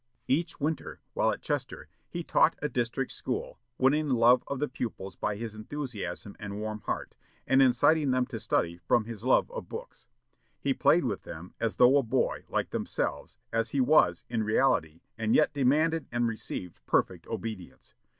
Each winter, while at Chester, he taught a district school, winning the love of the pupils by his enthusiasm and warm heart, and inciting them to study from his love of books. He played with them as though a boy like themselves, as he was, in reality, and yet demanded and received perfect obedience.